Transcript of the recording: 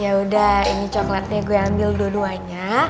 yaudah ini cokelatnya gue ambil dua duanya